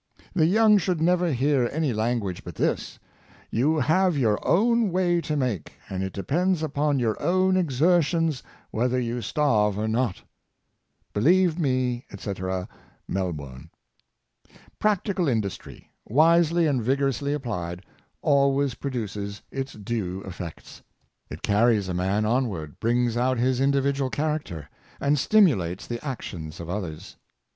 The young should never hear any language but this i ' You have your own way to 362 Effects of Practical Industry, make, and it depends upon your own exertions whether you starve or not.' Believe me, etc., Melbourne." Practical industry, wisely and vigorously applied, always produces its due effects. It carries a man on ward, brings out his individual character, and stimu lates the actions of others.